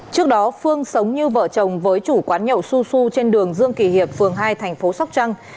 trước đó phương sống như vợ chồng với chủ quán nhậu su su trên đường dương kỳ hiệp phường hai thành phố sóc trăng